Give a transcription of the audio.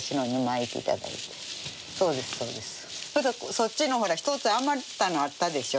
そっちのほらひとつ余ったのあったでしょ？